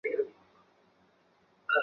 衡阳高新技术产业开发区